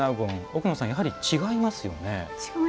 奥野さん、やはりちがいますよね？